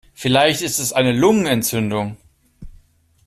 Vielleicht ist es eine Lungenentzündung.